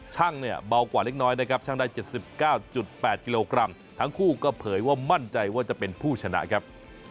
ช่างเนี่ยเบากว่าเล็กน้อยนะครับช่างได้๗๙๘กิโลกรัมทั้งคู่ก็เผยว่ามั่นใจว่าจะเป็นผู้ชนะครับ